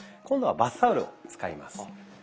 今度はバスタオルを使います。